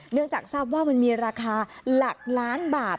เนื่องจากทราบว่ามันมีราคาหลักล้านบาท